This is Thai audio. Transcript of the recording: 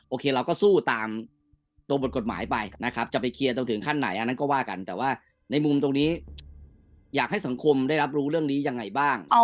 เราก็สู้ตามตัวบทกฎหมายไปนะครับจะไปเคลียร์ตรงถึงขั้นไหนอันนั้นก็ว่ากันแต่ว่าในมุมตรงนี้อยากให้สังคมได้รับรู้เรื่องนี้ยังไงบ้าง